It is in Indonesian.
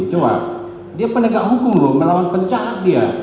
cuma dia penegak hukum loh melawan pencahat dia